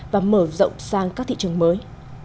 và mở rộng sang các thị trường mới